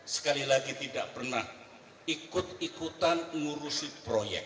sekali lagi tidak pernah ikut ikutan ngurusi proyek